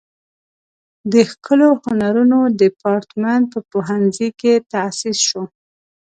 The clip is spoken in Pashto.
د ښکلو هنرونو دیپارتمنټ په پوهنځي کې تاسیس شو.